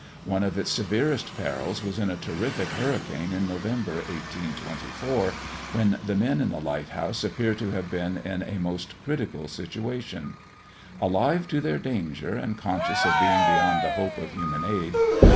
One of its severest perils was in a terrific hurricane in November, 1824, when the men in the lighthouse appear to have been in a most critical situation; alive to their danger, and conscious of being beyond the hope of human aid.